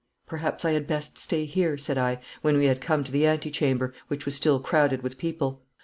'Perhaps I had best stay here,' said I, when we had come to the ante chamber, which was still crowded with people.